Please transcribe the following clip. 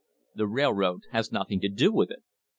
The railroad has nothing to do with it.